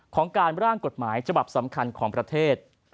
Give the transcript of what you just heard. ของการร่างกฎหมายฉบับสำคัญของประเทศ